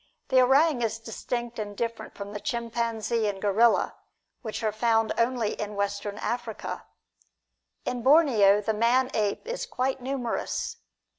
The orang is distinct and different from the chimpanzee and gorilla, which are found only in Western Africa. In Borneo, the "man ape" is quite numerous.